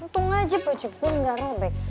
untung aja baju bu gak robek